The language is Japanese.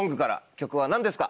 曲は何ですか？